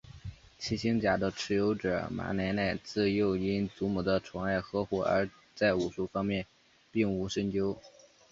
七星甲的持有者马奶奶自幼因祖母的宠爱呵护而在武术方面并无深究。